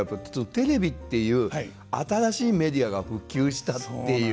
テレビっていう新しいメディアが普及したっていう。